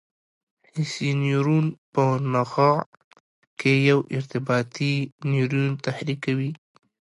حسي نیورون په نخاع کې یو ارتباطي نیورون تحریکوي.